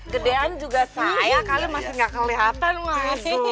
gedean juga saya kalian masih nggak keliatan waduh